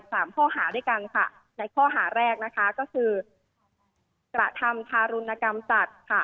สามข้อหาด้วยกันค่ะในข้อหาแรกนะคะก็คือกระทำทารุณกรรมสัตว์ค่ะ